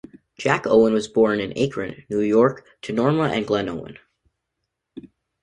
Jack Owen was born in Akron, New York, to Norma and Glenn Owen.